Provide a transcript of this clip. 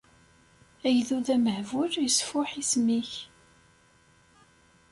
Agdud amehbul isfuḥ isem-ik.